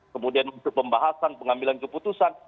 kemudian untuk pembahasan pengambilan keputusan